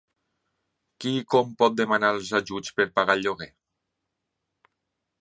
Qui i com pot demanar els ajuts per a pagar el lloguer?